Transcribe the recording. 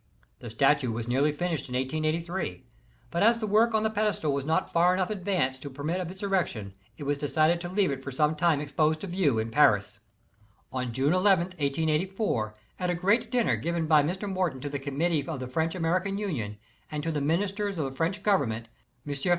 The statue was nearly finished in 1 883 ; but as the work on the pedestal was not far enough advanced to permit of its erection, it was decided to leave it for some time exposed to view in Paris. On June 11, 1884, at a great dinner given by Mr. Morton to the Committee of the French American Union and to the Ministers of the French Government, M. Ferry • niK llOUSBTOrS OF pABt.